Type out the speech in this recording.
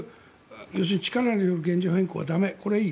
要するに力による現状変更は駄目これはいい。